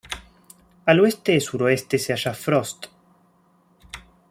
Al oeste-suroeste se halla Frost.